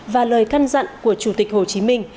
và lời căn dặn của chủ tịch hồ chí minh